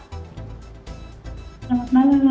selamat malam mbak